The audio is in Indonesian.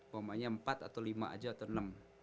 pokoknya empat atau lima aja atau enam